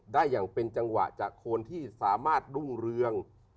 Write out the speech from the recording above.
ได้อย่างเป็นจังหวะจากคนที่สามารถรุ่งเรือง